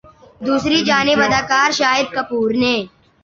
دوسری جانب اداکار شاہد کپور نے